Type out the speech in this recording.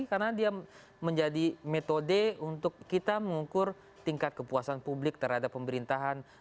karena dia menjadi metode untuk kita mengukur tingkat kepuasan publik terhadap pemerintahan